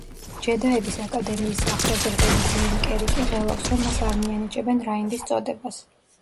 ჯედაების აკადემიის აღსაზრდელი ზეინ კერიკი ღელავს, რომ მას არ მიანიჭებენ რაინდის წოდებას.